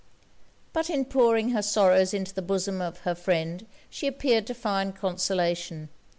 But in pouring her sorrows into the bosom of her friend she appeared to find consolation.